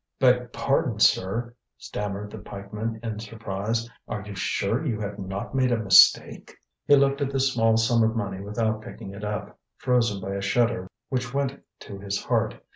"Beg pardon, sir," stammered the pikeman in surprise. "Are you sure you have not made a mistake?" He looked at this small sum of money without picking it up, frozen by a shudder which went to his heart.